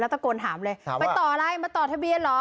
ตะโกนถามเลยไปต่ออะไรมาต่อทะเบียนเหรอ